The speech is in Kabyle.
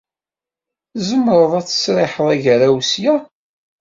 Tzemreḍ ad tesriḥeḍ agaraw ssya.